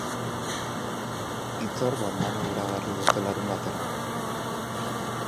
Hitzordu andana iragarri dute larunbaterako.